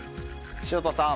潮田さん